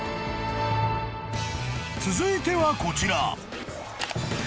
［続いてはこちら］